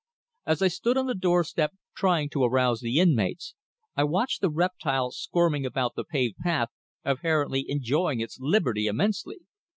As I stood on the doorstep, trying to arouse the inmates, I watched the reptile squirming about the paved path, apparently enjoying its liberty immensely.